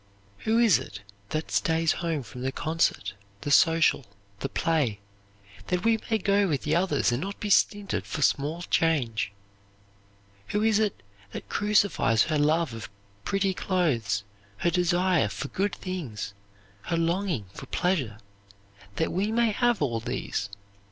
Who is it stays home from the concert, the social, the play, that we may go with the others and not be stinted for small change? Who is it crucifies her love of pretty clothes, her desire for good things, her longing for pleasure that we may have all these?